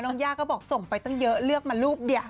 ย่าก็บอกส่งไปตั้งเยอะเลือกมารูปเดียว